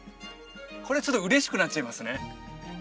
これちょっと嬉しくなっちゃいますね